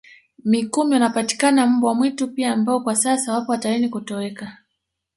Mikumi wanapatikana mbwa mwitu pia ambao kwa sasa wapo hatarini kutoweka